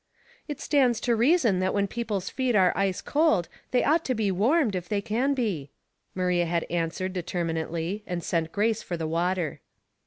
"It stands to reason that when people's feet are ice cold, they ought to be warmed, if they can be," Maria had answered, determinately, and sent Grace for the water.